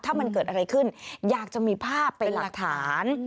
ถ้ามันเกิดอะไรขึ้นอยากจะมีภาพเป็นหลักฐาน